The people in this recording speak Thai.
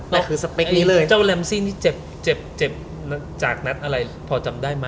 นั่นคือสเปคนี้เลยจ้าวแรมซี่นี่เจ็บจากนัดอะไรพอจำได้มั้ย